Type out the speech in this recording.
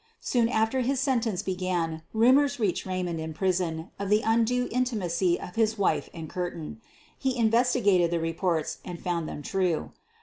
Soon after his sentence began, rumors reached Raymond in prison of the undue intimacy of his wife and Curtin. He investigated the reports and found them true.